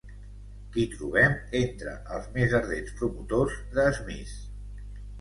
Qui trobem entre els més ardents promotors de Smith?